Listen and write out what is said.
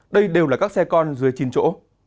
đây đều là các xe con dưới chín chỗ